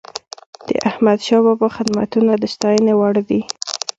د احمدشاه بابا خدمتونه د ستايني وړ دي.